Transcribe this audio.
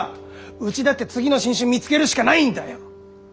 うちだって次の新種見つけるしかないんだよ！